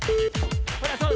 ほらそう。